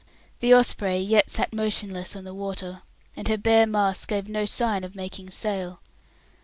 The Osprey yet sat motionless on the water, and her bare masts gave no sign of making sail.